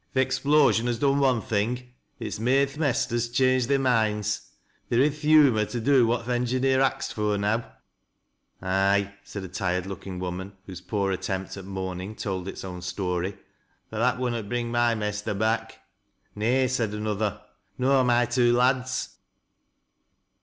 " Th' explosion has done one thing— it's made th' mesters change their minds. They're i' th' humor to do what th' engineer axed fur, now." '"Ay," said a tired looking woman, whose poor attempi »( mourning told its cwn story ;" but that wunncit bring luy mester back." " Nay," said another, " nor my two lads."